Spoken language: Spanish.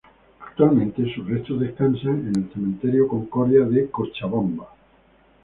Actualmente sus restos descansan en el cementerio concordia de Cochabamba.